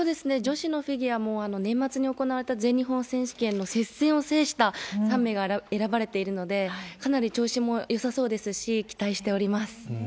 女子のフィギュアも年末に行われた全日本選手権の接戦を制した３名が選ばれているので、かなり調子もよさそうですし、期待しております。